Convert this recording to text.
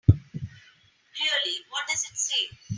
Really, what does it say?